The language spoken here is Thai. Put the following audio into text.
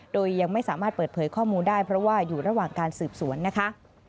โดยยังไม่สามารถเปิดเผยข้อมูลได้เพราะว่าอยู่ระหว่างการสืบสวนนะคะ